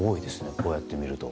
こうやって見ると。